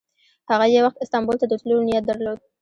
هغه یو وخت استانبول ته د تللو نیت درلود.